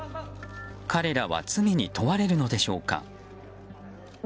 彼らは罪に問われるのでしょうか。